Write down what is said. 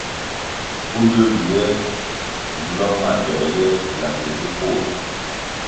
Pfunduē ywiè nlwang ma doē ye landi ri bvuo.